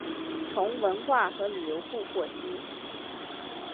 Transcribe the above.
从文化和旅游部获悉